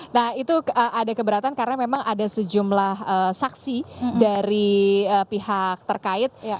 nah itu ada keberatan karena memang ada sejumlah saksi dari pihak terkait